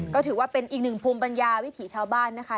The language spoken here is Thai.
ก็ถือว่าเป็นอีกหนึ่งภูมิปัญญาวิถีชาวบ้านนะคะ